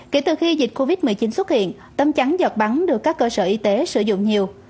kể từ khi dịch covid một mươi chín xuất hiện tấm chắn giọt bắn được các cơ sở y tế sử dụng nhiều